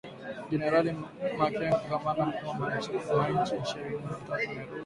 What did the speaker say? Jenerali Makenga kamanda mkuu wa Machi ishirni na tatu amerudi